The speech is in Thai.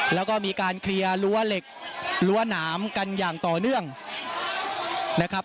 แล้วก็มีการเคลียร์รั้วเหล็กรั้วหนามกันอย่างต่อเนื่องนะครับ